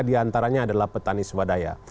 diantaranya adalah petani swadaya